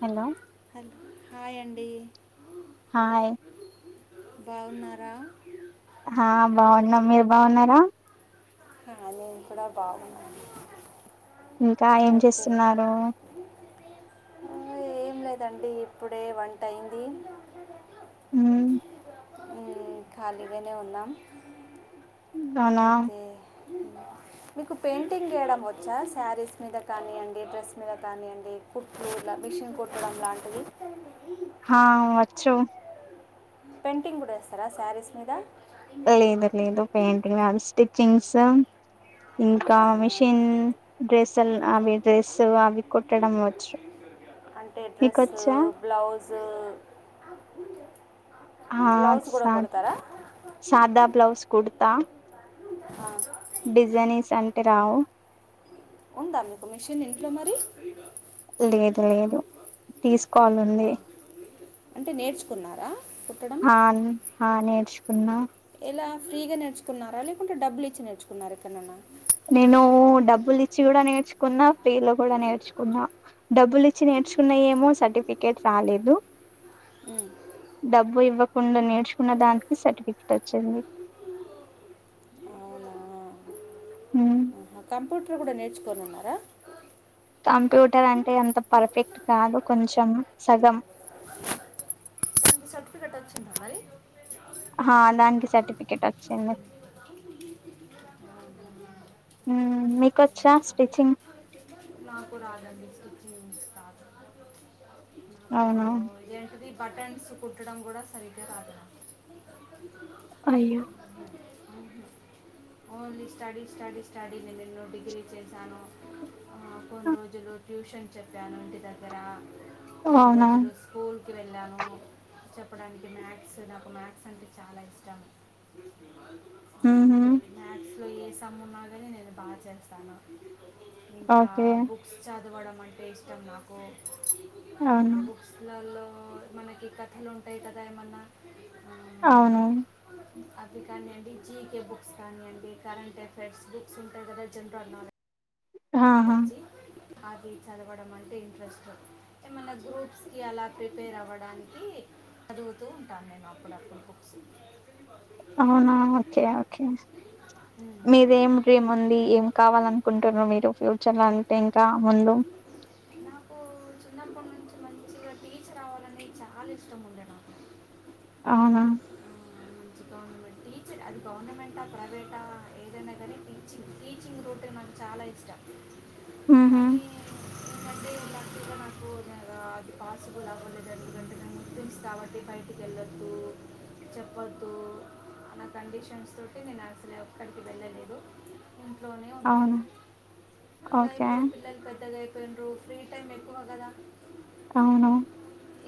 Hello hi అండి hi బాగున్నారా ఆ బాగున్నాం మీరు బాగున్నారా అ నేను కూడా బాగున్నాను ఇంకా ఏం ఓకే చేస్తున్నారు ఏం లేదండి ఇప్పుడే వంట అయింది మ్మ్ ఉమ్ ఖాలీగానే ఉన్నా అవునా అయితే మీకు పెయింటింగ్ వేయడం వచ్చా శారీస్ మీద కానివ్వండి డ్రెస్ మీద కానివండి కుట్్రూ మిిషన్ కుట్టడం లాంటిది హా వచ్చు పెంటింగ్ కూడా వేస్తారా శారీస్ మీద లేదు లేదు పెయింటింగ్ మ్యామ్ స్టిచ్చింగ్స్ ఇంకా ఆ, మిషిన్ డ్రెస్లు అవి డ్రెస్సు అవి కుట్టడం వచ్చు అంటంటే డ్రెస్ నీకొచ్చా బ్లౌస్ హా సా సాదా బ్లౌజ్ కుడ్తా ఆ. డిజని ఉందా మీకు మిషన్ ఇంట్లో మరి లేదు లేదు తీసుకోవాలంది అంటే నేర్చుకున్నారా కుట్టడం హా హా నేర్చుకున్నా ఎలా ఫ్రీగా నేర్చుకున్నా లేకుంటే డబ్బలు ఇచ్చి నేర్చుకున్నారు ఎక్కడైన్నా నేను డబ్బులు ఇచ్చి కూడా నేర్చుకున్నా ఫ్రీ లో కూడా నేర్చుకున్నా డబ్బులు ఇి చ్చి నేర్చుకున్నా ఏమో సర్టిఫికేట్ రాలేదు డబ్బు ఇవ్వకుండా నే ర్చుకున్న దానిని సర్టిఫికెట్ వచ్చింది అవునా ఉమ్, కంప్యూటర్ కూడా నేర్చుకోని ఉన్నారా కంప్యూటర్ అంటే ఎంత పర్ఫెక్ట్ కాదు కొంచెం సగం సర్టిఫికెట్ వచ్చిందా మారి ఆ దానికి సర్టిఫికెట్ వచ్చింది హ్మ్ మీకొచ్చా స్టిచింగ్ నాకు రాదనిస్తుచ్చ అవునా నాకు ఇదేంటిది బటన్స్ కుట్టడం కూడా సరిగ్గా రాదుద అయ్యో ఓన్లీ స్టడీ స్టడీ స్టడీనే నేను డిగ్రీ చేసాను కొన్ని రోజులు ట్యూషన్ చెప్పాను ఇంటి దగ్గర కొన్ని అవునా రోజులు స్కూల్ కి వెళ్ళను చెప్పడానికి మ్యాథ్స్ నాకు మ్యాథ్స్ అంటే చాలా ఇష్టం ఉహూ మ్యాథ్స్ లో ఎ సుమ ఉన్న కానీ నేను బాగా చేస్తాను ఇంకా ఓకే బుక్స్ చ చదవడం అంటే ఇష్టం నాకు అవును బుక్స్లో మన థలు ఉంటాయి కదా ఏమన్నా అవును అవి కానీండి జీకే బుక్స్ కానీయంండి కరెంట్ ఎఫైర్స్ బుక్స్ ఉంటాయి కదా జనరల్ నాలెడ్జ్ ఆహా అది చదవడం అంటే ఇంట్రెస్ట్ ఏమైన్నా గ్రూప్స్కి అలా ప్రిపేర్ అవ్వడానికి చదుగుతూ ఉంటాను నేను అప్పుడ అప్పుడు బుక్స్ అవునా ఓకే ఓకే మీరేం డ్రీమ్ ఉంది ఏం కావాల అనుకుంటున్నారు మీరు ఫ్య చలా అంటే ఇంకా ముందు నాకు చిన్నప్పటి నుంచి మంచిగా టీచర్ అవ్వాలని చాలా ఇష్టం ఉండే నాకు అవునా అ టీచర్ అది గవర్నమెంటా ప్రైవేటా ఏదైనా కానీ టీచింగ్ టీచింగ్ రూటీన్ మ చ చాలా ఇష్టం ఆ డి నాకు అది పాసిబుల్ అవలేదు అందుకంటే ముప్పంది కాబట్టి బయటికి వెళ్ళొద్దు ద చెప్పొద్దు అ నా కండిషన్స్ తోటి నేను అసలే ఎ క్కడికి వెళ్ళలేదు ఇంట్లోనే ఉన్నాను అవును ఇంకా ఓకే ఇప్పుడు పిల్లలు పెద్దగా ను ఫ్రీ టైం ఎక్కువ కదా అవును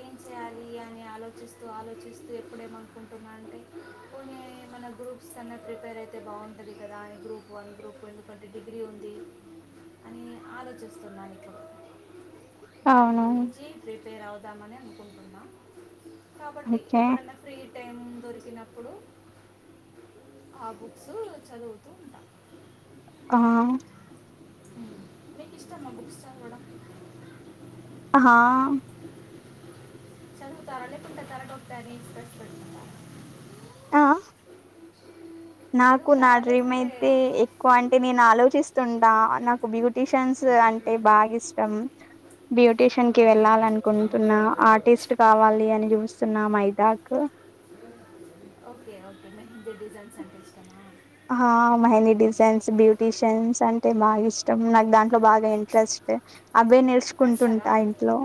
ఏం చేయాలి అని ఆలోచిస్తూ ఆలోచిస్తూ ఎప్పుడేమనుకుంటున్నా అంటే పోనీ ఏమ మన గ్రూప్స్ అన్నా ప్రిపేర్ అయితే బాగుంటుంది కదా అ గ్రూప్ వన్ గ్రూప్ టన్ందు కొంటే డిగ్రీ ఉంది అని ఆలోచిస్తున్నాను ఇక దాని అవును గురించి ప్రప పేర్ అవుదామని అనుకుంటున్నాం కాబట్టి ఓకే ఎప్పుడైనా ఫ్రీ టైం దొరికిన ఇప్పుడు ఆ బుక్స్ చదువుతూ ఉంటాం ఆ నీకు ఇష్టం ఆ బుక్స్ చదవడం హా చదువుతారా లేకుంటే తలనొప్పి అని స్పెడ్స్ పెట్టుకుంటారా ఆ నాకు నా చదువుతారా డ్రీమ్ లేకుంటే అయితే ఎక్కువ అంటే నేను ఆలోచిస్తుంటా నాకు బ్యూటీషియన్స్ అంటే బాగా ఇష్టం బ్యూటీషియన్ కి అవునా. వెళ్ళాల అనుకుంటున్నా ఆర్టిస్ట్ కావాలి అని చూస్తున్నా మైదాక్ ఓకే ఓకే మెహందీ డిజైన్స్ అంటే ఇష్టం మా ఆ మెహందీ డిజైన్స్ బ్యూటీషియన్స్ అంటే బాగా ఇష్టం నాకు దాంట్లో బాగా ఇంట్రెస్ట్ అవే పెడతారా నేర్చుకుంటుంటా ఇంట్లో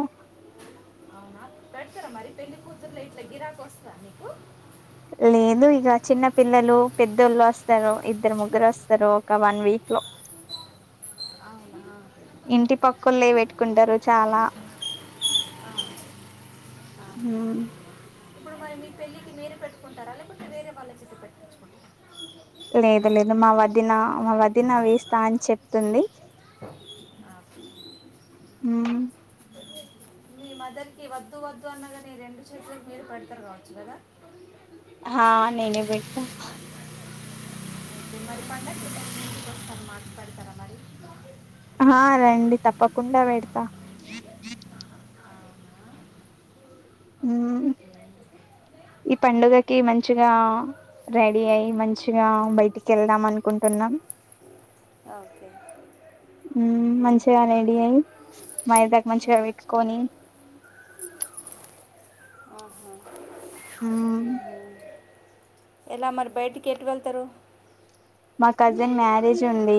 అవునా పెడతారా మరి పెళ్ళ కూతుర్లో ఇట్లా గిరాక వస్తాద మీకు లేదు ఇక చిన్న పిల్లలు పెద్దోళ్ళు వస్తారు ఇద్దరు ముగ్గురు వస్తారు ఒక వన్ వీక్ [unintelligible] అవునా ఇంటి పక్కళ్ళే పెట్టుకుంటారు చాలా హు ఇప్పుడు మరి మీ పెళ్ళకి మీరు పెట్టుకుంటారా లేకపోతే వేరే వాళ్ళ చేత పెట్టించుకుంటారా లేదు లేదు మా వదిన మా వదినా వేస్తా అని చెప్తుంది ఆ, హు మీ మదర్ వద్దు వద్దు అన్నగానీ రెండు చేతులకి మీరు పెడతారు కావచ్చు కదా హా నేనే బెడతా మరి పండక్కి మేం ఇంటికి వస్తాం మాకు పెడతారా మరి హా రండి తప్పకుండా పెడతా హు ఈ పండుగకి మంచిగా రెడీ అయి మంచిగా బయటికి వెళ్దాం అనుకుంటున్నాం ఓకే హు మ్మ్. మంచిగా రెడీ అయి మైదాకు మంచిగా పెట్టుకొని ఆహ హు హు మ్మ్ ఎలా మరి బయటికి ఎటు వెళ్తారు మా కజిన్ మ్యారేజ్ ఉంది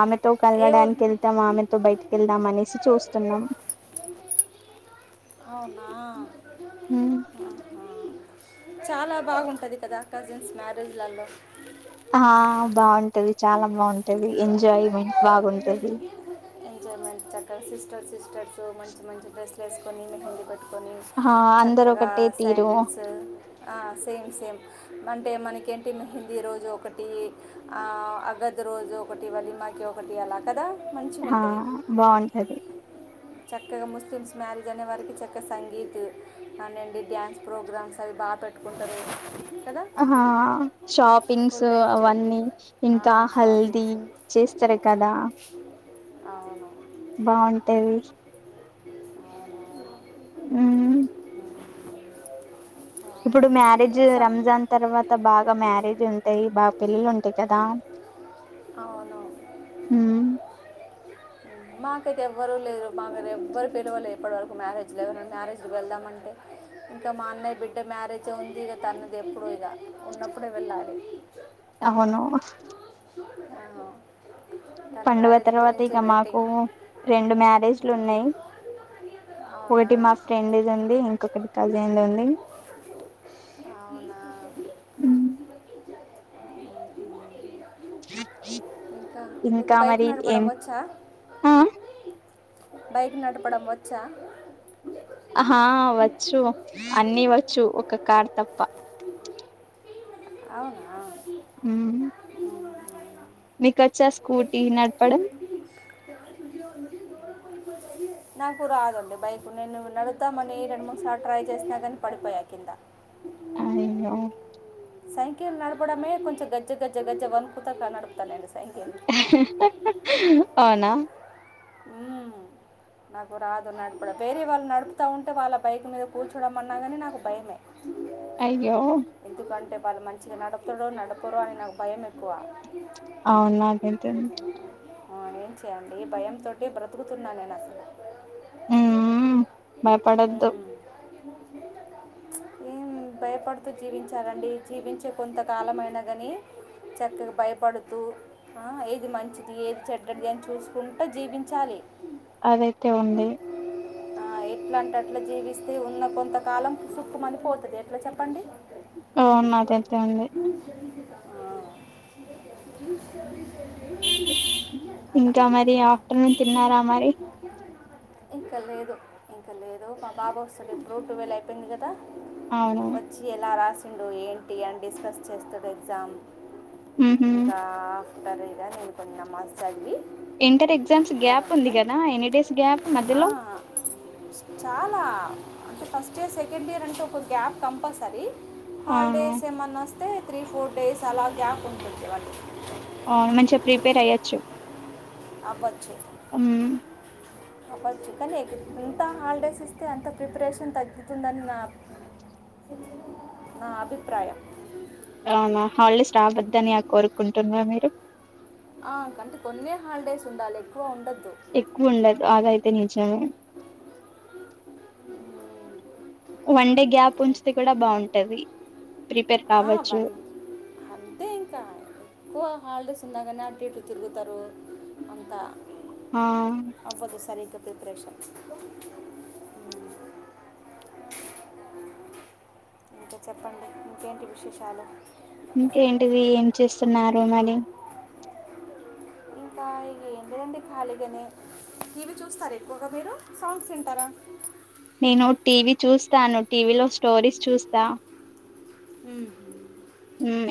ఆమెతో ఏ ఊరు కలవడానికి వెళ్తాం ఆమెతో బయటికి వెళ్దాం అనేసి చూస్తున్నాం అవునా ఆహా మ్మ్ చాలా బాగుంటుది కదా కజిన్స్ మ్యారేజ్లలో ఆ బాగుంటది చాలా బాగుంటది ఎంజాయ్మెంట్ బాగుంటది ఎంజాయ్మెంట్ చక్కగా సిస్టర్ మంచి మంచి డ్రెస్ వేసుకని కట్టుకని ఆ అందరు చక్కగా ఒకటే తీరు శాండిల్స్ హు ఆ సేమ్ సేమ్ అంటే మనకేంటి మెహందీ రోజు ఒకటి ఆ [unintelligible] రోజు ఒకటి వలిమాకి ఒకటి అలా కదా మంచిగా హా ఉంటుంది బాగుంటది చక్కగా ముస్లిమ్స్ మ్యారేజ్ అనే వారికి చక్క సంగీత్ కానీయండి డ్యాన్స్ ప్రోగ్రామ్స్ అవి బాగా బా పెట్టుకుంటారు కదా హా షాపింగ్స్ ఫుల్ ఎంజాయ్ అవన్నీ ఇంకా హల్దీ షాపింగ్స్ చేసు చేస్తారు కధ అవును బావుటవి అవును హు ఇప్పుడు అవునండి మ్యారేజ్ వేసాం రంజాన్ తర్వాత బాగా మ్యారేజ్ ఉంటాయి బాగా పెళ్ళిలు ఉంటాయి కదా అవునువు ఉమ్ మాకైతే ఎవ్వరు లేరు మా మమ్మల్ని ఎవ్వరు పిలవలే ఎప్పటివరకు మ్యారేజ్లో ఎవర మ్యారేజ్కి వెళ్దామంటే ఇంకా మా అన్నయ్య బిడ్డ మ్యారేజ్ ఉంది తనది ఎప్పుడు ఇగో ఉన్నప్పుడే వెళ్ళాలి అవును అవును. తన పండుగ మ్యారేజ్ తర్వాత గురించి ఇక మాకు వెయిటింగ్ రెండు మ్యారేజ్లు ఉన్నాయి అవునా ఒకటి మా ఫ్రెండ్ది ఉంది ఇంకొకటి కజిన్ ఉంది అవునా ఉమ్, ఇంకా నీకు ఇంకా బైకు మరి ఏం నడపడం వచ్చా ఆ బైక్ నడపడం వచ్చా ఆహా వచ్చు అన్ని వచ్చు ఒక కార్ తప్ప అవునా హు మీకొచ్చా స్కూటీ నడపడం [inaudible] నాకు రాదండి బైక్ నేను నడుతామని రెండు మూడు సార్లు ట్రై చేసినా కానీ పడిపోయా కింద అయ్యో సైకిల్ నడపడమే కొంచెం గజ్జ గజ్జ గజ్జ వనుకుతా నడపుతానండి సైకిల్ అవునా ఉ నాకు రాదు నడపడం వేరే వాళ్ళు నడుపుతూ ఉంటే వాళ్ళ బైక్ మీద కూర్చోడం అన్నా కానీ నాకు భయమే అయ్యో కంటే వాళ్ళు మంచిగా నడుపుతరో నడపురు అని నాకు భయం ఎక్కువ అవును నాకు అంతే ఆవునేం చేయండి ఈ భయ తోటి బ్రతుకుతున్నా నేను అసలు ఉ భయపడద్దు మ్మ్. [inaudible] ఏం భయపడుతూ జీవించాలండి జీవించే కొంతకాలమైన కానీ చక్కగా భయపడుతూ ఏది మంచిది ఏది చెడ్ది అని చూసుకుంటూ జీవించ చాలి అదైతే ఉంది ఆ ఎట్లా అంటే అట్లా జీవిస్తే ఉన్న కొంతకాలం సుక్కు మనిపోతుంది ఎట్లా చెప్పండి అవును నాదయితే అంది ఆ [inaudible] అలా ఇంకా మరి ఆఫ్టర్నూన్ తిన్నారా మరి ఇంకా లేదు ఇంకా లేదు మా బాబు వస్తాడు ఇప్పుడు ట్వెల్వ్ అయిపోయింది కదా అవును వచ్చి ఎలా రాసిండు ఏంటి అని డిస్కస్ చేస్తడు ఎగ్జామ్ ఉహు ఇంకా ఆఫ్టర్ ఇగ నేను నమాజ్ చదివి ఇంటర్ ఎగ్జామ్స్ గ్యాప్ ఉంది తర్వాత కదా ఎన్ని డేస్ గ్యాప్ ఆ, మధ్యలో చాలా అంటే ఫస్ట్ ఇయర్ సెకండ్ ఇయర్ అంటే ఒక గ్యాప్ కంపల్సరీ ఆ హాలిడేస్ ఏమన్నా వస్తే త్రీ ఫోర్ డేస్ అలా గ్యాప్ ఉంటుంది వాటి అవును మంచిగా ప్రిపేర్ అయ్యొచ్చు అవ్వచ్చు ఉమ్ అవ్వకు కానీ ఇంత హాలిడేస్ ఇస్తే అంత ప్రిపరేషన్ తగ్గుతుందని నా నా అభిప్రాయం అవునా హాలిడేస్ రావద్దని కోరుకుంటున్నారా మీరు [inaudible] ఆ అంటే కొన్ని హాలిడేస్ ఉండాలి ఎక్కువ ఉండదు ఎక్కువ ఉండదు అది అయితే నిజంమే [inaudible] వన్ డే గ్యాప్ ఉంచితే కూడా బాగుంటది ప్రిపేర్ ఆ కావచ్చు వన్ డే అంతే ఇంకా ఎక్కువ హల్డేస్ సుందగానే అటు ఇట్ తిరుగుతారు అంత ఆ అ ప్రిపరేషన్ [inaudible] ఇంకా చెప్పండి ఇంకేంటి విశేషాలు ఇంకేంటిది ఏం చేస్తున్నారు మేడమ్ ఇంకా ఇ ఏం లేదండి ఖాళీగానే టీవీ చూస్తారు ఎక్కువగా మీరు సాంగ్స్ వింటారా నేను టీవీ చూస్తాను టీవీలో స్టోరీస్ చూస్తా ఉమ్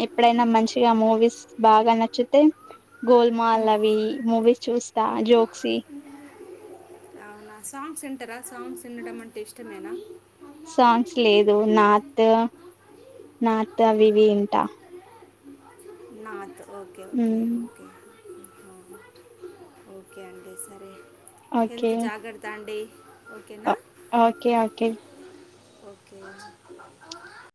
ఎప్పుడైనా మంచిగా మూవీస్ బాగా నచ్చితే గోల్మాల్ అవి మూవీస్ చూస్తా జోక్స అవునా సాంగ్స్ వింటార సాంగ్స్ వినడం అంటే ఇష్టమేనా సాంగ్స్ లేదు నాత్ నార్త్ అవి ఇవి వింటా నాత్ ఓకే ఓకే మ్మ్ ఓకే ఓకే అండి సరే ఓకే హెల్త్ జాగర్త అండీ ఓకేనా ఆ ఓకే ఓకే ఓకే చ్